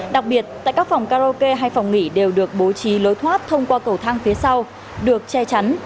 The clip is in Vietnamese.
đặc biệt tại các phòng karaoke hay phòng nghỉ đều được bố trí lối thoát thông qua cầu thang phía sau được che chắn